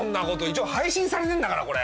一応配信されてんだからこれ。